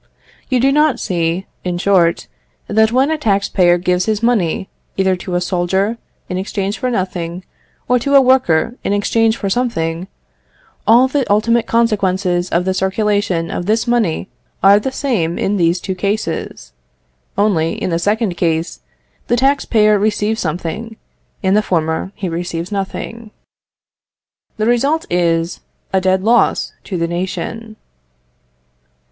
You do not see, in short, that when a tax payer gives his money either to a soldier in exchange for nothing, or to a worker in exchange for something, all the ultimate consequences of the circulation of this money are the same in the two cases; only, in the second case the tax payer receives something, in the former he receives nothing. The result is a dead loss to the nation.